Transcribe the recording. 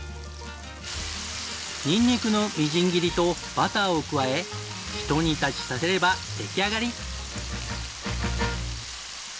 ニンニクのみじん切りとバターを加えひと煮立ちさせれば出来上がり！